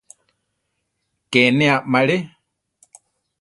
Ke ne amaré.